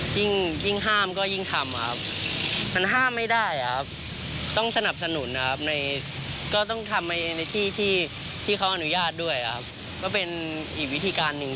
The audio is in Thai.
ที่เขาอนุญาตด้วยครับก็เป็นอีกวิธีการหนึ่ง